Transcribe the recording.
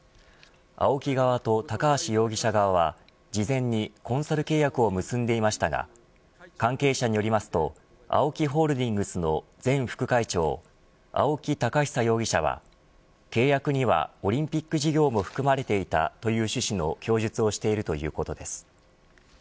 ＡＯＫＩ側と高橋容疑者側は事前にコンサル契約を結んでいましたが関係者によりますとＡＯＫＩホールディングスの前副会長青木宝久容疑者は契約にはオリンピック事業も含まれていたという趣旨の供述をしているということです。